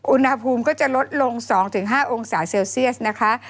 อุณหภูมิก็จะลดลง๒๕องศาเซลเซียสนะคะ